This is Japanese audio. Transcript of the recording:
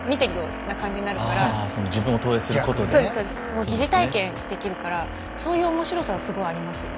もう疑似体験できるからそういう面白さはすごいありますよね。